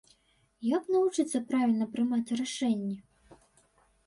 Як навучыцца правільна прымаць рашэнні?